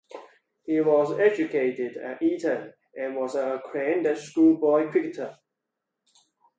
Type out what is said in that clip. He was educated at Eton and was an acclaimed schoolboy cricketer.